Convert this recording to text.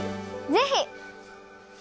ぜひ！